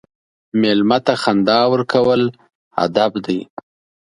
مېلمه ته خندا ورکول ادب دی.